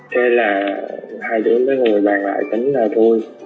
thế là hai đứa với người bạn lại tính là thôi